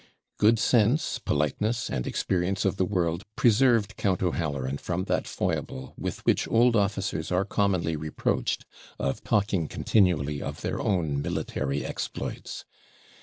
Good sense, politeness, and experience of the world preserved Count O'Halloran from that foible with which old officers are commonly reproached, of talking continually of their own military exploits.